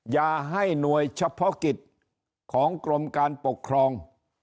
อย่าให้หน่วยเฉพาะกิจของกรมการปกครอง